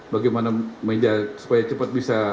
bagaimana meja supaya cepat bisa